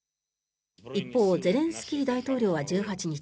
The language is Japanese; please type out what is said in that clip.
一方、ゼレンスキー大統領は１８日